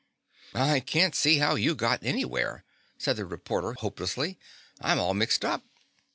"I can't see how you got anywhere," said the reporter hopelessly. "I'm all mixed up."